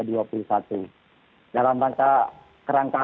dalam rangka kerangka